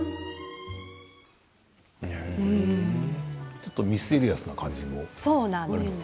ちょっとミステリアスな感じもありましたね。